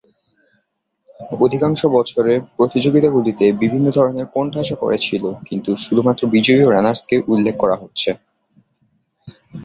অধিকাংশ বছরে প্রতিযোগিতাগুলিতে বিভিন্ন ধরনের কোণঠাসা করে ছিল কিন্তু শুধুমাত্র বিজয়ী ও রানার্সকে উল্লেখ করা হচ্ছে।